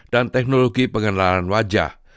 dan teknologi pengenalan wajah